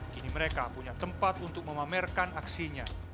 kini mereka punya tempat untuk memamerkan aksinya